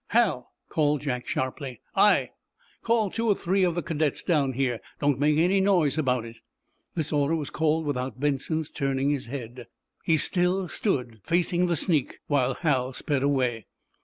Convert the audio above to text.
"Hal!" called Jack, sharply. "Aye!" "Call two or three of the cadets down here. Don't make any noise about it." This order was called without Benson's turning his head. He still stood facing the sneak while Hal sped away.